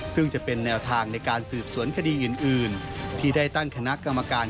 ซึ่งจะเป็นแนวทางในการสืบสวนคดีอื่นที่ได้ตั้งคณะกรรมการ